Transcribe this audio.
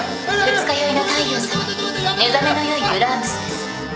二日酔いの大陽さまに目覚めのよいブラームスです。